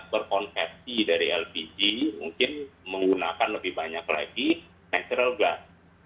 berkonsepsi dari lpg mungkin menggunakan lebih banyak lagi natural blast